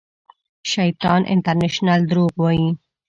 شیطان انټرنېشنل درواغ وایي